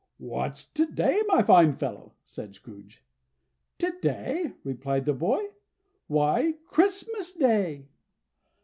"What's to day, my fine fellow?" said Scrooge. "To day!" replied the boy. "Why, CHRISTMAS DAY."